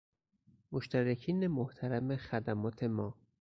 مشترکین محترم خدمات ما